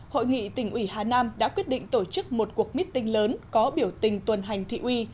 hội nghị tỉnh ủy hà nam đã quyết định tổ chức một cuộc meeting lớn có biểu tình tuần hành thị uy